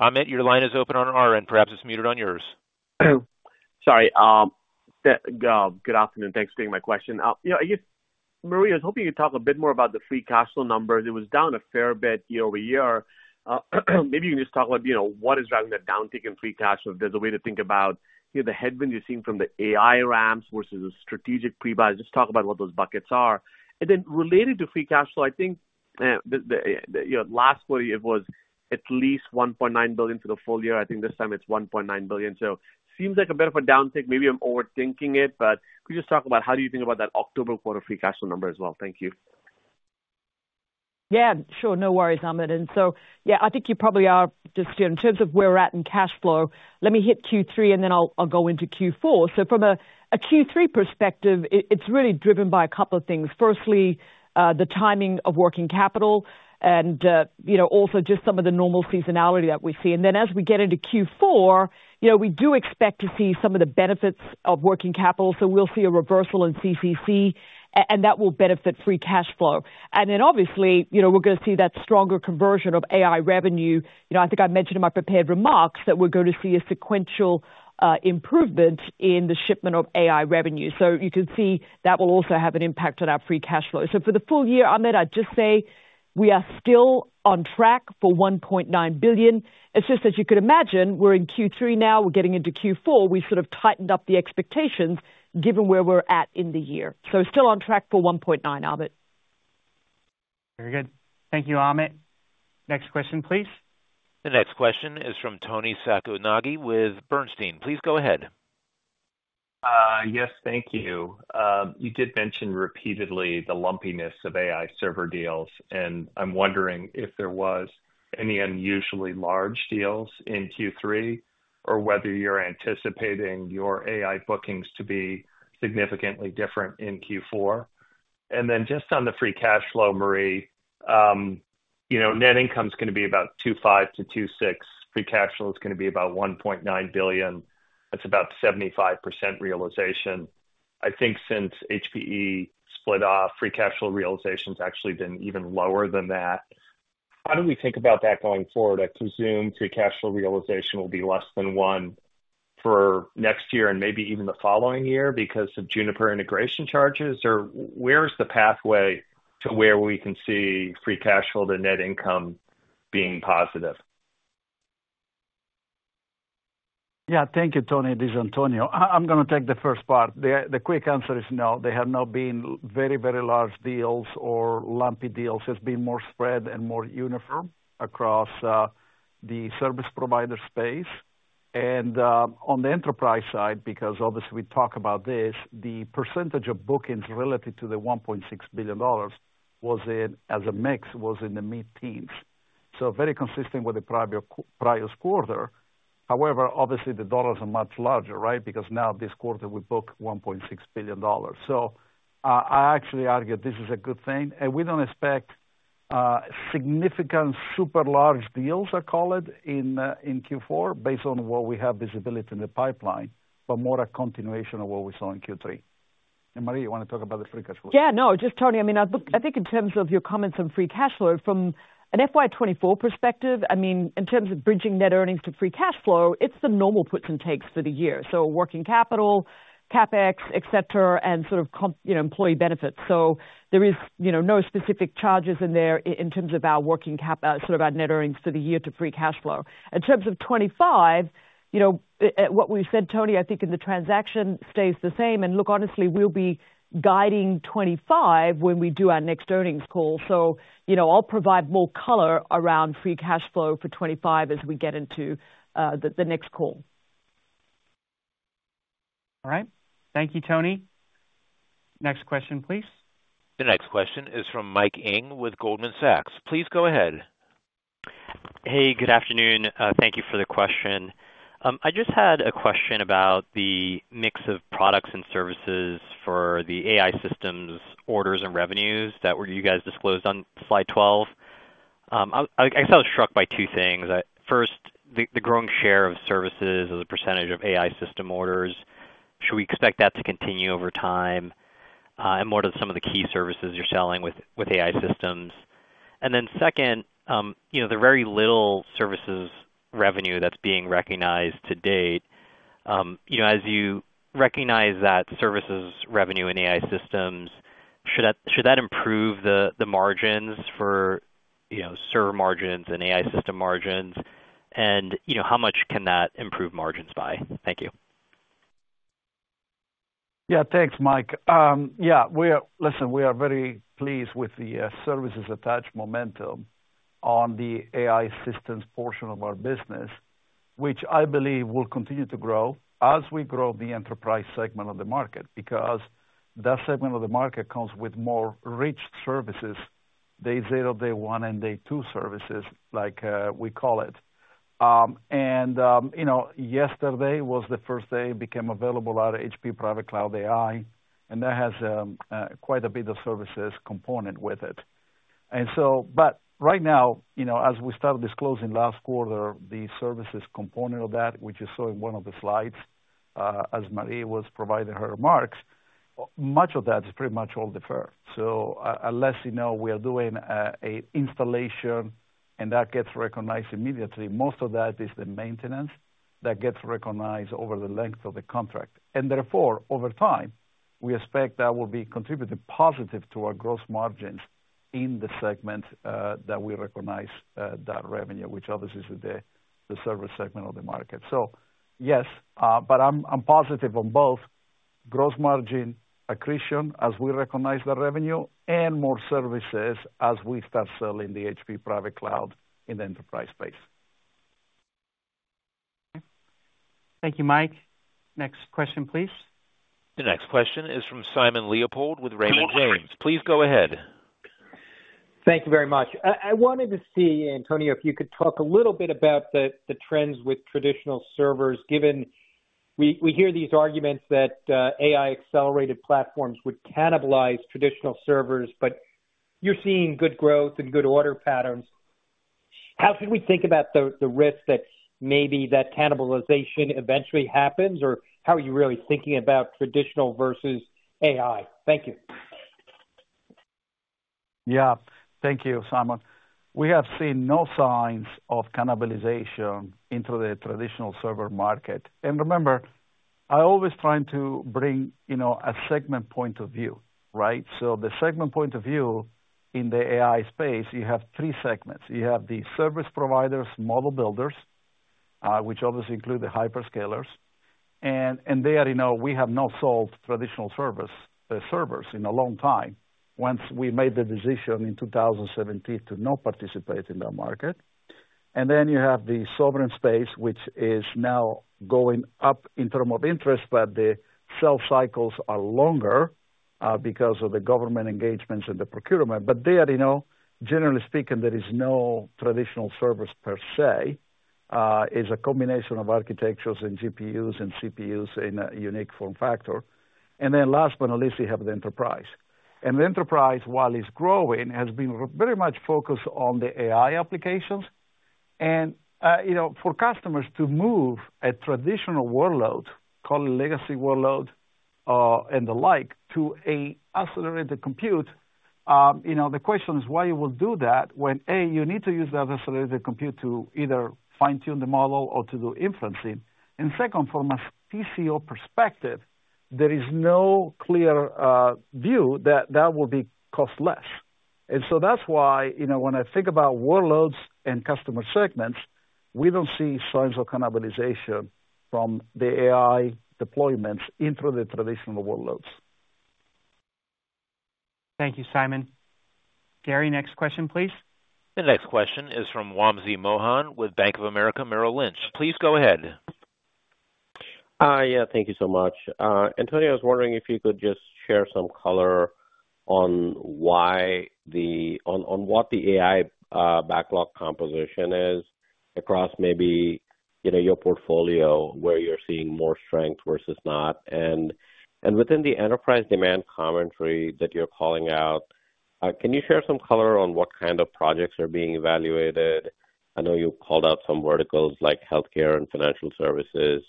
A: Amit, your line is open on our end. Perhaps it's muted on yours.
G: Good afternoon. Thanks for taking my question. You know, I guess, Marie, I was hoping you could talk a bit more about the free cash flow numbers. It was down a fair bit year-over-year. Maybe you can just talk about, you know, what is driving that downtick in free cash flow? If there's a way to think about, you know, the headwind you're seeing from the AI ramps versus the strategic pre-buy. Just talk about what those buckets are. And then related to free cash flow, I think, you know, last quarter, it was at least $1.9 billion for the full year. I think this time it's $1.9 billion. So seems like a bit of a downtick. Maybe I'm overthinking it, but could you just talk about how you think about that October quarter free cash flow number as well? Thank you.
D: Yeah, sure. No worries, Amit. And so, yeah, I think you probably are just, you know, in terms of where we're at in cash flow, let me hit Q3, and then I'll go into Q4. So from a Q3 perspective, it's really driven by a couple of things. Firstly, the timing of working capital and, you know, also just some of the normal seasonality that we see. And then as we get into Q4, you know, we do expect to see some of the benefits of working capital, so we'll see a reversal in CCC, and that will benefit free cash flow. And then obviously, you know, we're gonna see that stronger conversion of AI revenue. You know, I think I mentioned in my prepared remarks that we're going to see a sequential improvement in the shipment of AI revenue. So you can see that will also have an impact on our free cash flow. So for the full year, Amit, I'd just say we are still on track for $1.9 billion. It's just that you could imagine, we're in Q3 now, we're getting into Q4. We sort of tightened up the expectations given where we're at in the year. So still on track for $1.9 billion, Amit.
B: Very good. Thank you, Amit. Next question, please.
A: The next question is from Toni Sacconaghi with Bernstein. Please go ahead.
H: Yes, thank you. You did mention repeatedly the lumpiness of AI server deals, and I'm wondering if there was any unusually large deals in Q3, or whether you're anticipating your AI bookings to be significantly different in Q4? And then just on the free cash flow, Marie, you know, net income's gonna be about $2.5 billion-$2.6 billion. Free cash flow is gonna be about $1.9 billion. That's about 75% realization. I think since HPE split off, free cash flow realization has actually been even lower than that. How do we think about that going forward? I presume free cash flow realization will be less than one for next year and maybe even the following year because of Juniper integration charges, or where is the pathway to where we can see free cash flow to net income being positive?
C: Yeah. Thank you, Toni. This is Antonio. I'm gonna take the first part. The quick answer is no. There have not been very large deals or lumpy deals. It's been more spread and more uniform across the service provider space. On the enterprise side, because obviously we talk about this, the percentage of bookings relative to the $1.6 billion was in the mid-teens, so very consistent with the previous quarter. However, obviously, the dollars are much larger, right? Because now this quarter we book $1.6 billion. So I actually argue this is a good thing, and we don't expect significant super large deals, I call it, in Q4, based on what we have visibility in the pipeline, but more a continuation of what we saw in Q3.Marie, you want to talk about the free cash flow?
D: Yeah, no, just Toni, I mean, I look. I think in terms of your comments on free cash flow, from an FY 2024 perspective, I mean, in terms of bridging net earnings to free cash flow, it's the normal puts and takes for the year. So working capital, CapEx, et cetera, and sort of comp, you know, employee benefits. So there is, you know, no specific charges in there in terms of our working cap, sort of our net earnings for the year to free cash flow. In terms of 2025, you know, what we've said, Toni, I think in the transaction stays the same. And look, honestly, we'll be guiding 2025 when we do our next earnings call. So, you know, I'll provide more color around free cash flow for 2025 as we get into the next call.
B: All right. Thank you, Toni. Next question, please.
A: The next question is from Mike Ng with Goldman Sachs. Please go ahead.
I: Hey, good afternoon. Thank you for the question. I just had a question about the mix of products and services for the AI systems, orders and revenues that were you guys disclosed on slide 12. I guess I was struck by two things. First, the growing share of services as a percentage of AI system orders. Should we expect that to continue over time? And what are some of the key services you're selling with AI systems? And then second, you know, the very little services revenue that's being recognized to date, you know, as you recognize that services revenue in AI systems, should that improve the margins for you know, server margins and AI system margins? You know, how much can that improve margins by? Thank you.
C: Yeah, thanks, Mike. Yeah, Listen, we are very pleased with the services attached momentum on the AI systems portion of our business, which I believe will continue to grow as we grow the enterprise segment of the market, because that segment of the market comes with more rich services day zero, day one, and day two services, like we call it. And you know, yesterday was the first day it became available out of HPE Private Cloud AI, and that has quite a bit of services component with it. And so, but right now, you know, as we started disclosing last quarter, the services component of that, which you saw in one of the slides, as Marie was providing her remarks, much of that is pretty much all deferred. Unless, you know, we are doing an installation and that gets recognized immediately, most of that is the maintenance that gets recognized over the length of the contract. And therefore, over time, we expect that will be contributing positive to our gross margins in the segment that we recognize that revenue, which obviously is the service segment of the market. Yes, but I'm positive on both gross margin accretion as we recognize the revenue and more services as we start selling the HPE Private Cloud in the enterprise space.
B: Thank you, Mike. Next question, please.
A: The next question is from Simon Leopold with Raymond James. Please go ahead.
J: Thank you very much. I wanted to see, Antonio, if you could talk a little bit about the trends with traditional servers, given we hear these arguments that AI-accelerated platforms would cannibalize traditional servers, but you're seeing good growth and good order patterns. How should we think about the risk that maybe that cannibalization eventually happens, or how are you really thinking about traditional versus AI? Thank you.
C: Yeah. Thank you, Simon. We have seen no signs of cannibalization into the traditional server market. And remember, I always trying to bring, you know, a segment point of view, right? So the segment point of view in the AI space, you have three segments. You have the service providers, model builders, which obviously include the hyperscalers. And there, you know, we have not sold traditional servers in a long time, once we made the decision in 2017 to not participate in that market. And then you have the sovereign space, which is now going up in terms of interest, but the sales cycles are longer, because of the government engagements and the procurement. But there, you know, generally speaking, there is no traditional servers per se. It is a combination of architectures and GPUs and CPUs in a unique form factor. And then last but not least, you have the enterprise. And the enterprise, while it's growing, has been very much focused on the AI applications. And, you know, for customers to move a traditional workload, call it legacy workload, and the like, to a accelerated compute, you know, the question is why you will do that when, A, you need to use that accelerated compute to either fine-tune the model or to do inferencing. And second, from a TCO perspective, there is no clear view that that will be cost less. And so that's why, you know, when I think about workloads and customer segments, we don't see signs of cannibalization from the AI deployments into the traditional workloads.
B: Thank you, Simon. Gary, next question, please.
A: The next question is from Wamsi Mohan with Bank of America Merrill Lynch. Please go ahead.
K: Yeah, thank you so much. Antonio, I was wondering if you could just share some color on what the AI backlog composition is across maybe, you know, your portfolio, where you're seeing more strength versus not. And within the enterprise demand commentary that you're calling out, can you share some color on what kind of projects are being evaluated? I know you called out some verticals like healthcare and financial services.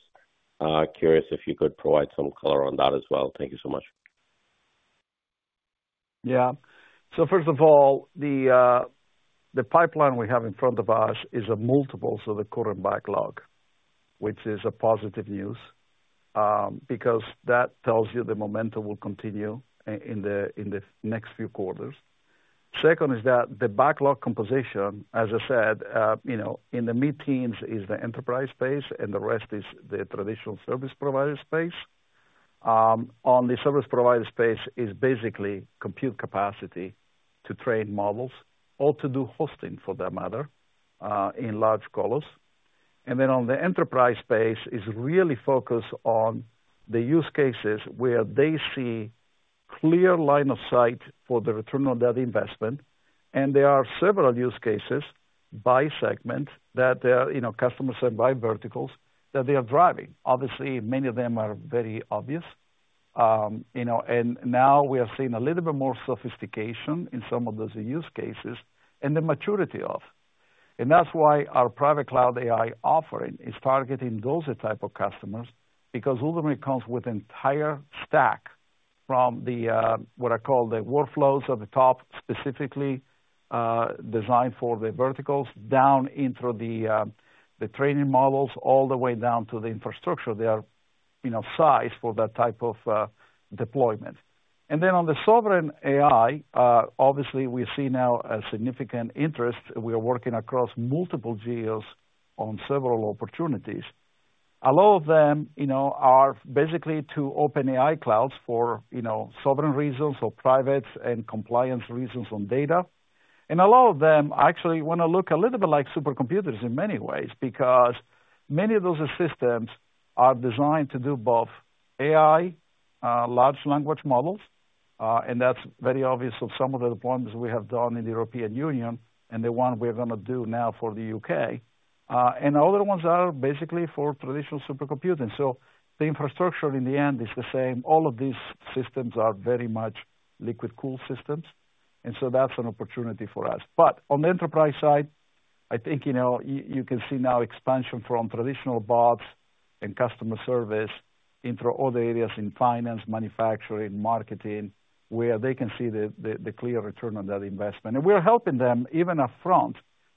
K: Curious if you could provide some color on that as well. Thank you so much.
C: Yeah. So first of all, the pipeline we have in front of us is a multiples of the current backlog, which is a positive news, because that tells you the momentum will continue in the next few quarters. Second is that the backlog composition, as I said, you know, in the mid-teens is the enterprise space, and the rest is the traditional service provider space. On the service provider space is basically compute capacity to train models or to do hosting, for that matter, in large clusters. And then on the enterprise space is really focused on the use cases where they see clear line of sight for the return on that investment. And there are several use cases by segment that, you know, customers and by verticals, that they are driving. Obviously, many of them are very obvious. You know, and now we are seeing a little bit more sophistication in some of those use cases. And that's why our Private Cloud AI offering is targeting those type of customers, because ultimately it comes with entire stack from the, what I call the workflows at the top, specifically, designed for the verticals, down into the, the training models, all the way down to the infrastructure. They are, you know, sized for that type of, deployment. And then on the sovereign AI, obviously we see now a significant interest. We are working across multiple geos on several opportunities. A lot of them, you know, are basically to open AI clouds for, you know, sovereign reasons or privates and compliance reasons on data. And a lot of them actually wanna look a little bit like supercomputers in many ways, because many of those systems are designed to do both AI, large language models, and that's very obvious of some of the deployments we have done in the European Union and the one we're gonna do now for the UK. And other ones are basically for traditional supercomputing. So the infrastructure in the end is the same. All of these systems are very much liquid-cooled systems, and so that's an opportunity for us. But on the enterprise side, I think, you know, you can see now expansion from traditional bots and customer service into all the areas in finance, manufacturing, marketing, where they can see the clear return on that investment. We're helping them even upfront,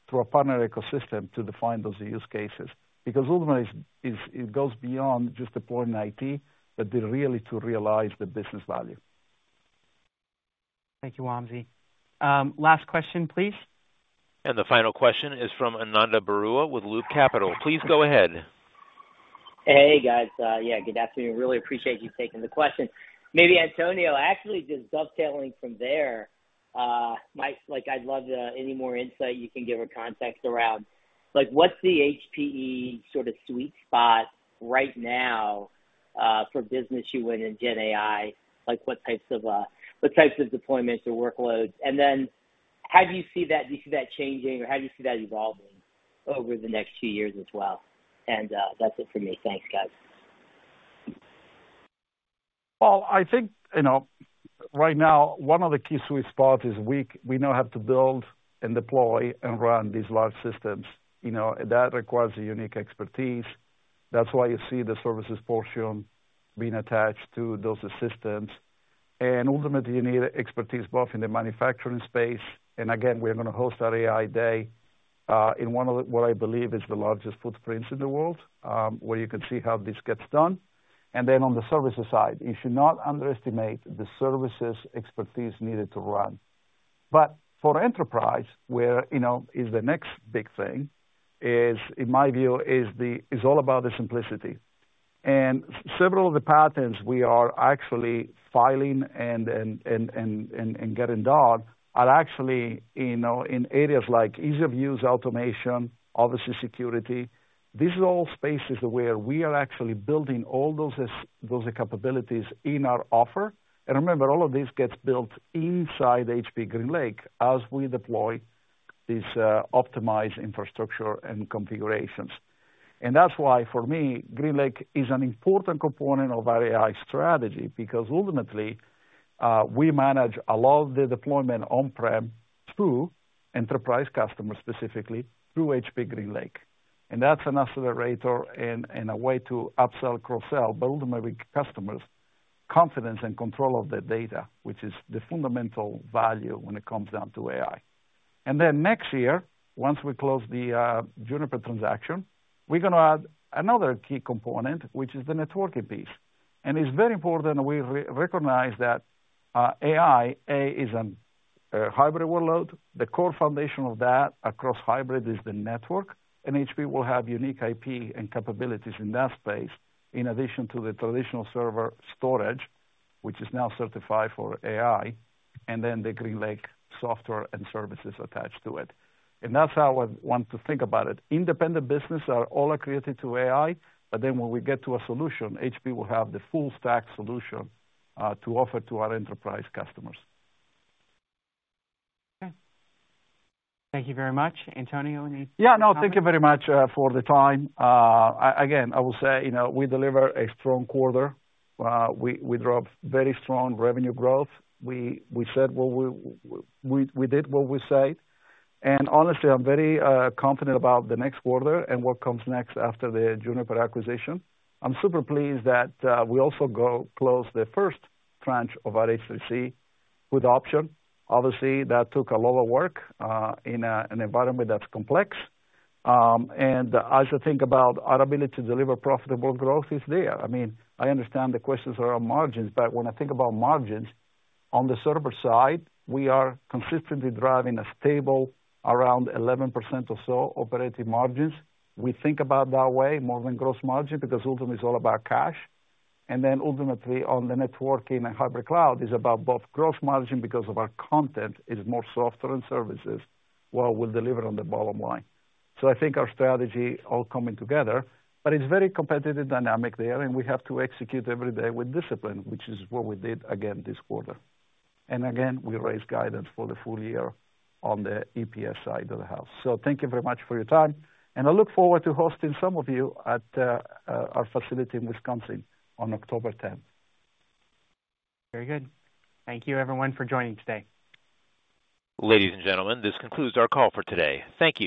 C: through our partner ecosystem, to define those use cases, because ultimately, it goes beyond just deploying IT, but really to realize the business value.
B: Thank you, Wamsi. Last question, please.
A: And the final question is from Ananda Baruah with Loop Capital. Please go ahead.
L: Hey, guys. Yeah, good afternoon. Really appreciate you taking the question. Maybe Antonio, actually, just dovetailing from there, like, I'd love to any more insight you can give or context around, like, what's the HPE sort of sweet spot right now, for business you win in GenAI? Like, what types of deployments or workloads? And then how do you see that. Do you see that changing, or how do you see that evolving over the next two years as well? And, that's it for me. Thanks, guys.
C: I think, you know, right now, one of the key sweet spots is we now have to build and deploy and run these large systems. You know, that requires a unique expertise. That's why you see the services portion being attached to those systems. And ultimately, you need expertise both in the manufacturing space, and again, we're gonna host our AI Day in one of the, what I believe is the largest footprints in the world, where you can see how this gets done. And then on the services side, you should not underestimate the services expertise needed to run. But for enterprise, you know, the next big thing is, in my view, all about the simplicity. Several of the patents we are actually filing and getting done are actually, you know, in areas like ease of use, automation, obviously security. These are all spaces where we are actually building all those those capabilities in our offer. And remember, all of this gets built inside HPE GreenLake as we deploy these optimized infrastructure and configurations. And that's why, for me, GreenLake is an important component of our AI strategy, because ultimately, we manage a lot of the deployment on-prem through enterprise customers, specifically through HPE GreenLake. And that's an accelerator and a way to upsell, cross-sell, build customers' confidence and control of their data, which is the fundamental value when it comes down to AI. And then next year, once we close the Juniper transaction, we're gonna add another key component, which is the networking piece. It's very important we re-recognize that AI is a hybrid workload. The core foundation of that across hybrid is the network, and HPE will have unique IP and capabilities in that space, in addition to the traditional server storage, which is now certified for AI, and then the GreenLake software and services attached to it. That's how I want to think about it. Independent businesses are all accretive to AI, but then when we get to a solution, HPE will have the full stack solution to offer to our enterprise customers.
B: Okay. Thank you very much, Antonio.
C: Yeah, no, thank you very much for the time. Again, I will say, you know, we delivered a strong quarter. We drove very strong revenue growth. We said what we, We did what we said. And honestly, I'm very confident about the next quarter and what comes next after the Juniper acquisition. I'm super pleased that we also closed the first tranche of our H3C put option. Obviously, that took a lot of work in an environment that's complex. And as you think about our ability to deliver profitable growth is there. I mean, when I think about margins, on the server side, we are consistently driving a stable around 11% or so operating margins. We think about that way more than gross margin, because ultimately, it's all about cash. And then ultimately, on the networking and hybrid cloud, is about both gross margin because of our content is more software and services, while we deliver on the bottom line. So I think our strategy all coming together, but it's very competitive dynamic there, and we have to execute every day with discipline, which is what we did again this quarter. And again, we raised guidance for the full year on the EPS side of the house. So thank you very much for your time, and I look forward to hosting some of you at our facility in Wisconsin on October 10th.
B: Very good. Thank you everyone for joining today.
A: Ladies and gentlemen, this concludes our call for today. Thank you.